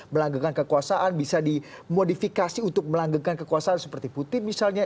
melanggengkan kekuasaan bisa dimodifikasi untuk melanggengkan kekuasaan seperti putin misalnya